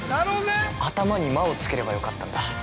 頭に「まっ」をつければよかったんだ！